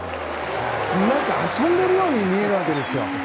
何か遊んでいるように見えるわけですよ。